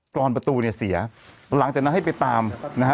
รอนประตูเนี่ยเสียหลังจากนั้นให้ไปตามนะฮะ